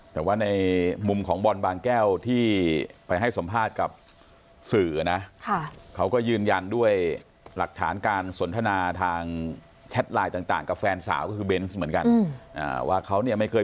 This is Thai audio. แต่ว่าในมุมของบอลบางแก้วที่ไปให้สัมภาษณ์กับสื่อนะเขาก็ยืนยันด้วยหลักฐานการสนทนาทางแชทไลน์ต่างกับแฟนสาวก็คือเบนส์เหมือนกันว่าเขาเนี่ยไม่เคย